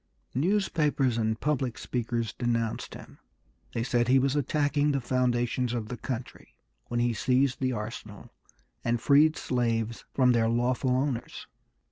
Newspapers and public speakers denounced him. They said he was attacking the foundations of the country when he seized the arsenal and freed slaves from their lawful owners.